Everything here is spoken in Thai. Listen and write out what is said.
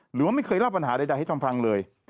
หรือว่าไม่เคยเล่าปัญหาใดให้ทำฟังเลย